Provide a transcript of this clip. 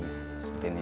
kita harus cepat tangani